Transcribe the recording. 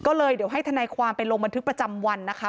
ก็เลยเดี๋ยวให้ทนายความไปลงบันทึกประจำวันนะคะ